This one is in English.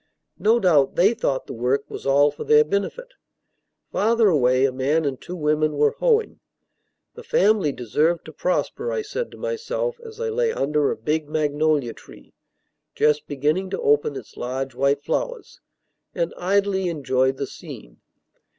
No doubt they thought the work was all for their benefit. Farther away, a man and two women were hoeing. The family deserved to prosper, I said to myself, as I lay under a big magnolia tree (just beginning to open its large white flowers) and idly enjoyed the scene.